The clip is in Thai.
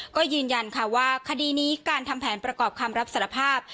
ก็ยืนยันค่ะว่าคดีนี้การทำแผนประกอบคำรับสารภาพ